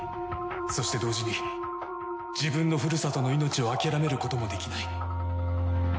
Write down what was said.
そして同時に自分のふるさとの命を諦めることもできない。